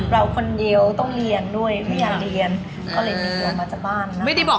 เราคนเดียวต้องเรียนด้วยไม่อยากเรียน